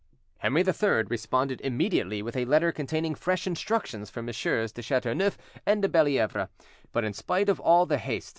Henry III responded immediately with a letter containing fresh instructions for MM. de Chateauneuf and de Bellievre; but in spite of all the haste M.